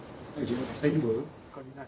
大丈夫？